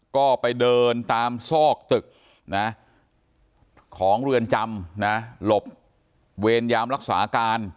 ก็ไปเดินตามซอกตึกนะของเรือนจำนะหลบเวรยามรักษาการ